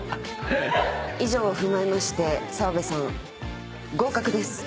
以上を踏まえまして澤部さん。